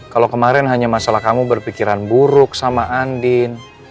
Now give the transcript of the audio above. kalau kemarin hanya masalah kamu berpikiran buruk sama andin